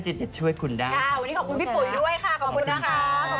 วันนี้ขอบคุณพี่ปุ๋ยด้วยค่ะขอบคุณนะคะ